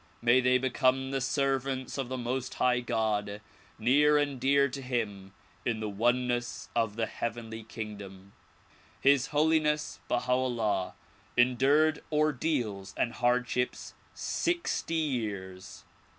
May they become the servants of the Most High God, near and dear to him in the oneness of the heavenly kingdom. His Holiness Baha 'Ullah endured ordeals and hardships sixty years.